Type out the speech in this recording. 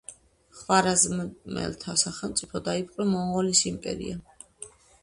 ხვარაზმელთა სახელმწიფო დაიპყრო მონღოლების იმპერიამ.